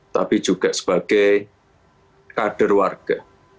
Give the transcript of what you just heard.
tapi juga sebagai kader warga